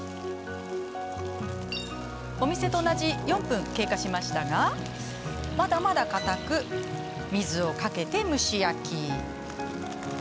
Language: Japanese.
お店と同じ４分経過しましたがまだまだ、かたく水をかけて蒸し焼き。